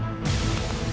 lo mau kemana